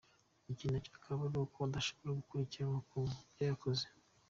Iki nacyo akaba ari uko adashobora gukurikiranwa ku byo yakoze.